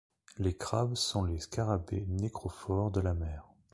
Les crabes sont les scarabées nécrophores de la mer.